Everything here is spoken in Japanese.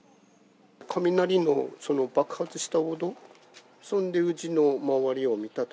雷の爆発した音、そんでうちの周りを見た。